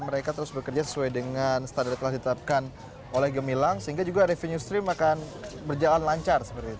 mereka terus bekerja sesuai dengan standar yang telah ditetapkan oleh gemilang sehingga juga revenue stream akan berjalan lancar seperti itu